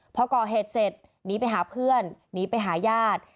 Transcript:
พอก่อเหตุเสร็จหนีไปหาเพื่อนหนีไปหาญาติ